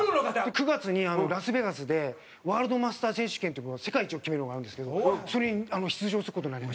９月にラスベガスでワールドマスター選手権っていう世界一を決めるのがあるんですけどそれに出場する事になりました。